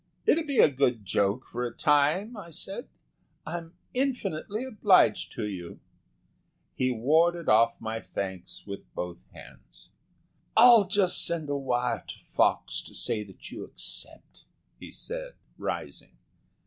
"It'll be a good joke for a time," I said. "I'm infinitely obliged to you." He warded off my thanks with both hands. "I'll just send a wire to Fox to say that you accept," he said, rising.